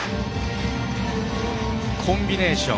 コンビネーション。